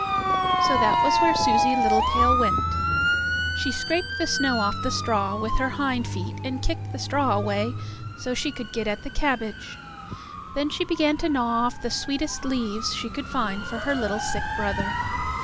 So that was where Susie Littletail went. She scraped the snow off the straw with her hind feet and kicked the straw away so she could get at the cabbage. Then she began to gnaw off the sweetest leaves she could find for her little sick brother.